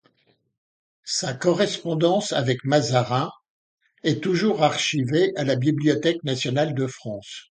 Sa correspondance avec Mazarin est toujours archivée à la Bibliothèque nationale de France.